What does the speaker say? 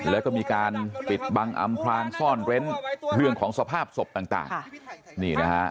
แล้วก็มีการปิดบั้งอำพรางซ่อนเวทเวื่องของสภาพศพต่าง